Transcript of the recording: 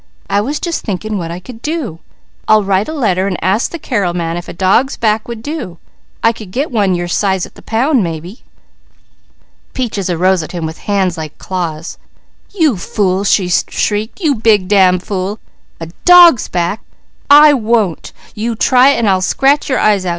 I was just thinking what I could do. I'll write a letter and ask the Carrel man if a dog's back would do. I could get one your size at the pound, maybe." Peaches arose at him with hands set like claws. "You fool!" she shrieked. "You big damn fool! 'A dog's back!' I won't! You try it an' I'll scratch your eyes out!